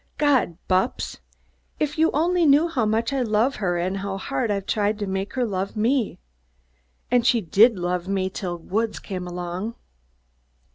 God, Bupps! If you only knew how much I love her and how hard I've tried to make her love me. And she did love me till Woods came along."